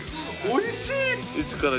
おいしい！